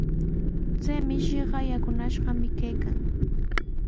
Chay mishiqa yakunashqami kaykan.